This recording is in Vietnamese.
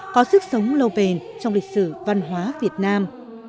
có sức sống lâu bền trong lịch sử văn hóa việt nam